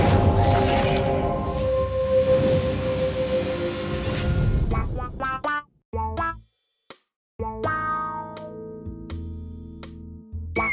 โอ้โอ้โอ้โอ้โอ้โอ้โอ้โอ้โอ้โอ้โอ้โอ้โอ้โอ้